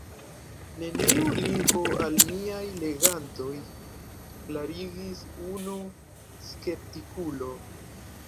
Neniu ligo al miaj legantoj, klarigis unu skeptikulo.